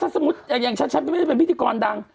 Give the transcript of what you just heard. สมมติฉันก็ไม่ได้เป็นพิธีกรดัง